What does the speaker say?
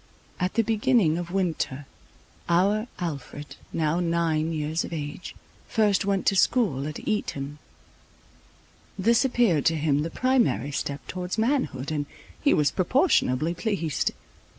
At the beginning of winter our Alfred, now nine years of age, first went to school at Eton. This appeared to him the primary step towards manhood, and he was proportionably pleased.